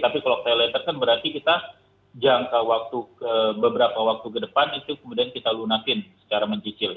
tapi kalau pay later kan berarti kita jangka waktu beberapa waktu ke depan itu kemudian kita lunasin secara mencicil